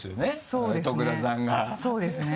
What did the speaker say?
そうですね。